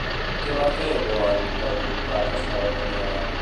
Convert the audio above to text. Què va fer Boann per ocultar que estava prenyada?